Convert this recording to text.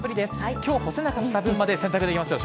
今日干せなかった分まで洗濯できますよ。